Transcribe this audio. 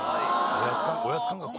おやつ感覚こい！